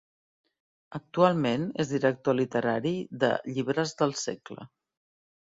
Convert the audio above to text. Actualment és director literari de Llibres del Segle.